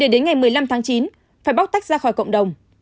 đến ngày một mươi năm tháng chín phải bóc tách ra khỏi cộng đồng